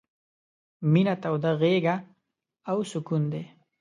— مينه توده غېږه او سکون دی...